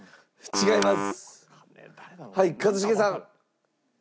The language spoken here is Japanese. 違います。